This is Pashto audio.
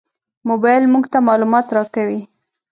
موبایل موږ ته معلومات راکوي.